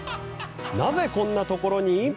なぜこんなところに？